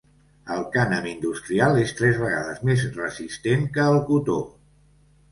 El cànem industrial és tres vegades més resistent que el cotó.